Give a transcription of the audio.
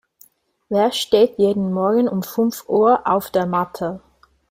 Wer steht jeden Morgen um fünf Uhr auf der Matte?